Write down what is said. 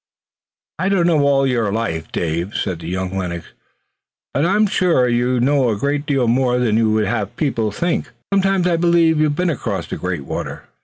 "I don't know all your life, Dave," said young Lennox, "but I'm quite sure you know a great deal more than you would have people to think. Sometimes I believe you've been across the great water."